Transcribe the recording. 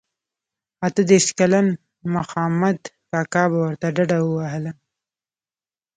اته دیرش کلن مخامد کاکا به ورته ډډه وهله.